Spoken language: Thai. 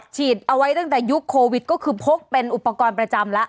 เอาไว้ตั้งแต่ยุคโควิดก็คือพกเป็นอุปกรณ์ประจำแล้ว